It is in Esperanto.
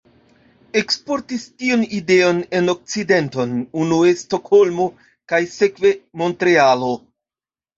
Eksportis tiun ideon en Okcidenton, unue Stokholmo, kaj sekve Montrealo.